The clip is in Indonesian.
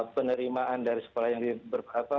penerimaan dari sekolah yang berkata